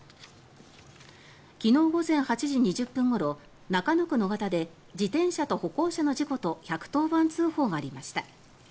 昨日午前８時２０分ごろ中野区野方で自転車と歩行者の事故と１１０番通報がありました。